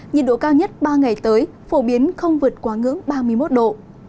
nhiệt độ cao nhất ba ngày tới phổ biến không vượt quá ngưỡng ba mươi một độ